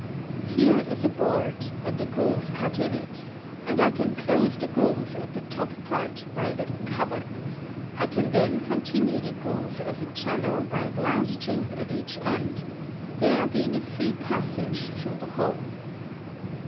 Here is a board, and a groove cut in it, and I can close the groove at the top part by a little cover; I can then con tinue the groove as a channel by a glass tube at eaeh end, there being a free passage through the whole.